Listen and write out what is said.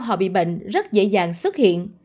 họ bị bệnh rất dễ dàng xuất hiện